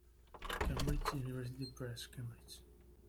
Cambridge University Press, Cambridge.